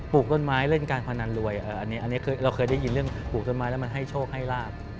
ลูกต้นไม้เล่นการพนันรวยอันนี้เราเคยได้ยินเรื่องปลูกต้นไม้แล้วมันให้โชคให้ลาบ